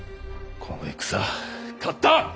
この戦勝った！